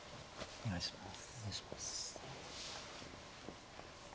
お願いします。